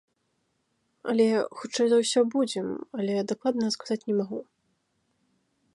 Але, хутчэй за ўсё, будзем, але дакладна сказаць не магу.